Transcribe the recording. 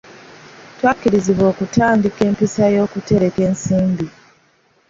Twakubirizibwa okutandika empisa y'okutereka ensimbi.